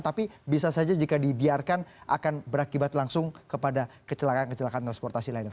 tapi bisa saja jika dibiarkan akan berakibat langsung kepada kecelakaan kecelakaan transportasi lainnya